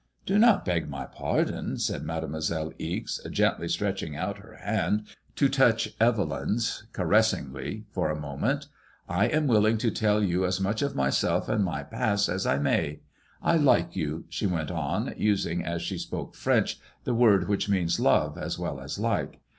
" Do not beg my pardon," said C34 MADXMOISBLLB COL Mademoiselle Ixe, gently stretch ing out her band to touch Evelyn's caressingly for a moment. I am willing to tell yon as much of myself and my past as I may. I like you," ••she went on, using, as she spoke French, the word which means love as well as like.